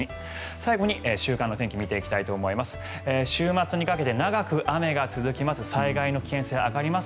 最後に週間の天気を見ていきたいと思います。